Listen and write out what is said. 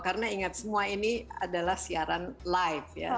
karena ingat semua ini adalah siaran live ya